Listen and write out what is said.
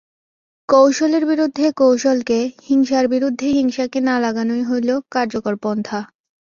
কৌশলের বিরুদ্ধে কৌশলকে, হিংসার বিরুদ্ধে হিংসাকে না লাগানই হইল কার্যকর পন্থা।